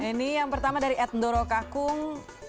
ini yang pertama dari edndoro kakung